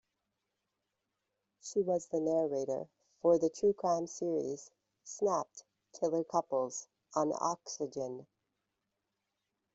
She was the narrator for the true crime series "Snapped: Killer Couples" on Oxygen.